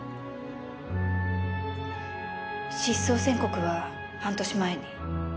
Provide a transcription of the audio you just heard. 失踪宣告は半年前に？